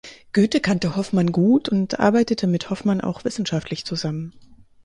Goethe kannte Hoffmann gut und arbeitete mit Hoffmann auch wissenschaftlich zusammen.